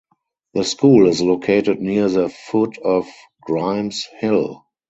The school is located near the foot of Grymes Hill.